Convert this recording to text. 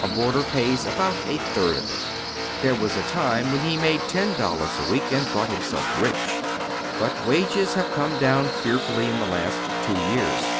A boarder pays about a third of it. There was a time when he made ten dollars a week and thought himself rich. But wages have come down fearfully in the last two years.